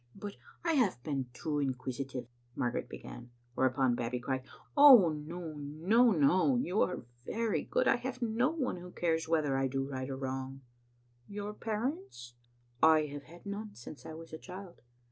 "But I have been too inquisitive," Margaret began; whereupon Babbie cried, "Oh no, no, no: you are very good. I have no one who cares whether I do right or wrong." " Your parents "" I have had none since I was a child."